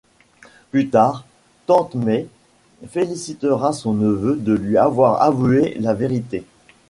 Plus tard, tente May félicitera son neveu de lui avoir avoué la vérité.